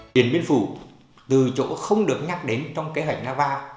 điện biên phủ từ chỗ không được nhắc đến trong kế hoạch nava